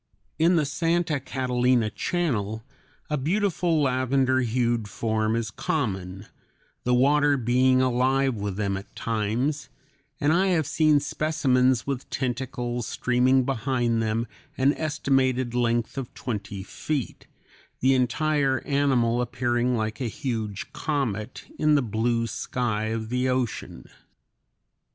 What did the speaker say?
In the Santa Catalina Channel a beautiful lavender hued form is common, the water being alive with them at times, and I have seen specimens with tentacles streaming behind them an estimated length of twenty feet, the entire animal appearing like a huge comet in the blue sky of the ocean.